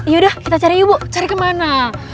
yaudah kita cari yuk bu cari kemana